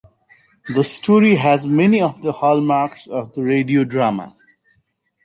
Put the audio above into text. The story has many of the hallmarks of the radio dramas.